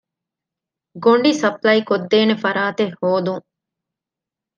ގޮނޑި ސަޕްލައިކޮށްދޭނެ ފަރާތެއް ހޯދުން